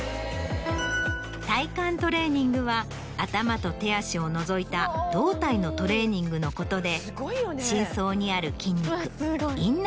体幹トレーニングは頭と手足を除いた胴体のトレーニングのことで。